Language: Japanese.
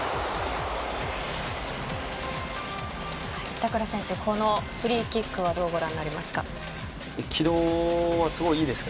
板倉選手、このフリーキックはどうご覧になりますか？